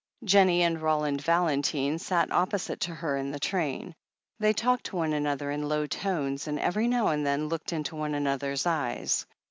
Jennie and Roland Valentine sat opposite to her in the train. They talked to one another in low tones, and every now and then looked into one another's eyes.